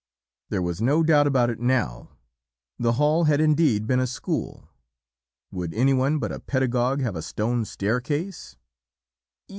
There was no doubt about it now 'The Hall' had indeed been a school; would any one but a pedagogue have a stone staircase?